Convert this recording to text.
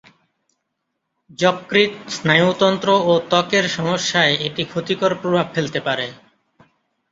যকৃত, স্নায়ুতন্ত্র ও ত্বকের সমস্যায় এটি ক্ষতিকর প্রভাব ফেলতে পারে।